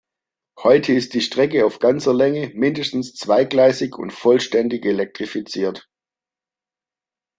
Heute ist die Strecke auf ganzer Länge mindestens zweigleisig und vollständig elektrifiziert.